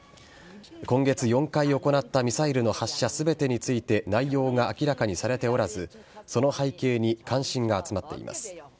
今月４回行ったミサイルの発射全てについて内容が明らかにされておらずその背景に関心が集まっています。